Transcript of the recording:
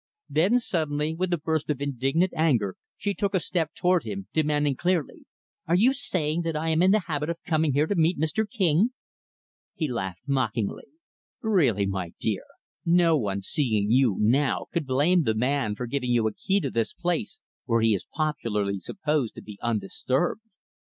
Then, suddenly with a burst of indignant anger, she took a step toward him, demanding clearly; "Are you saying that I am in the habit of coming here to meet Mr. King?" He laughed mockingly. "Really, my dear, no one, seeing you, now, could blame the man for giving you a key to this place where he is popularly supposed to be undisturbed.